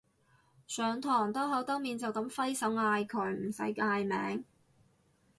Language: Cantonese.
上堂兜口兜面就噉揮手嗌佢唔使嗌名